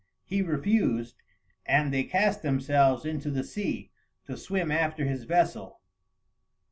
He refused, and they cast themselves into the sea to swim after his vessel.